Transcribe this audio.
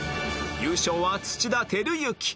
優勝は土田晃之